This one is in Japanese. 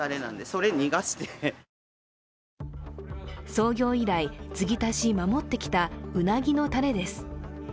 創業以来、継ぎ足し守ってきたうなぎのタレです。